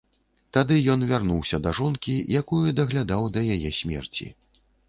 Тады ён вярнуўся да жонкі, якую даглядаў да яе смерці.